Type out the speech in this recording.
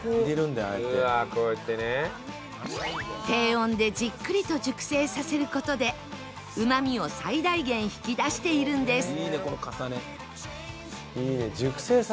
低温でじっくりと熟成させる事でうまみを最大限引き出しているんです